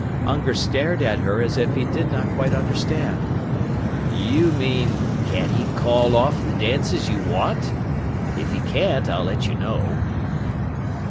Unger stared at her as if he did not quite understand. "You mean, can he call off the dances you want? If he can't, I'll let you know."